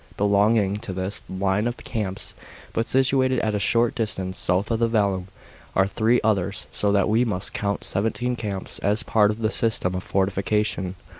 Belonging to this line of camps, but situated at a short distance south of the vallum, are three others, so that we must count seventeen camps as part of the system of fortification.